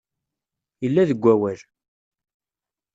Illa deg wawal.